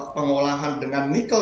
pengolahan dengan nikel